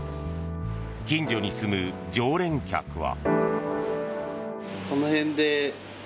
近所に住む常連客は。